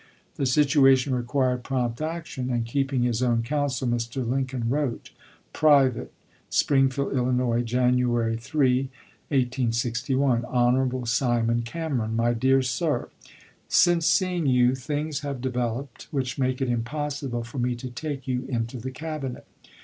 The situa tion required prompt action, and, keeping his own counsel, Mr. Lincoln wrote : (Private.) Springfield, III., Jan. 3, 1861. Hon. Simon Cameron. My Dear Sir : Since seeing you things have developed which make it impossible for me to take you into the Cabinet.